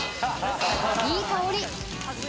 いい香り。